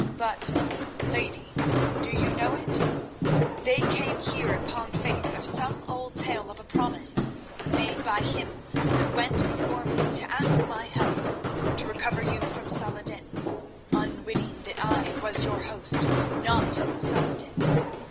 But, lady, do you know it? They came here upon faith of some old tale of a promise made by him who went before me to ask my help to recover you from Salah ed din, unwitting that I was your host, not Salah ed din.